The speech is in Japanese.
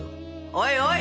おいおい！